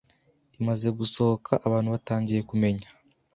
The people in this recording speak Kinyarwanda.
Imaze gusohoka abantu batangiye kumenya